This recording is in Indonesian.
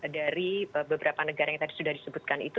dari beberapa negara yang tadi sudah disebutkan itu